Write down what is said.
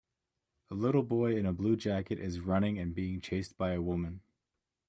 A little boy in a blue jacket is running and being chased by a woman.